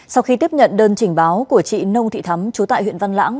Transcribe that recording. sau khi tiếp nhận đơn trình báo của chị nông thị thắm chú tại huyện văn lãng